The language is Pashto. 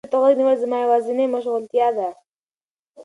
راډیو ته غوږ نیول زما یوازینی مشغولتیا ده.